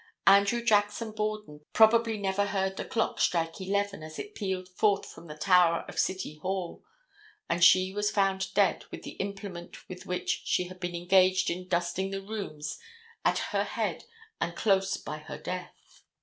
Andrew Jackson Borden probably never heard the clock strike 11 as it pealed forth from the tower of city hall; and she was found dead with the implement with which she had been engaged in dusting the rooms at her head and close by her death.